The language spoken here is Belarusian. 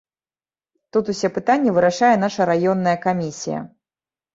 Тут усе пытанні вырашае наша раённая камісія.